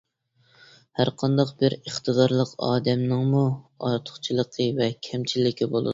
ھەرقانداق بىر ئىقتىدارلىق ئادەمنىڭمۇ ئارتۇقچىلىقى ۋە كەمچىلىكى بولىدۇ.